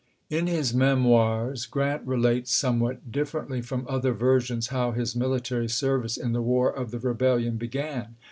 In his "Memoirs" Grant relates somewhat differ ently from other versions how his military service in the War of the Rebellion began.